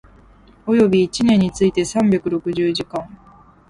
及び一年について三百六十時間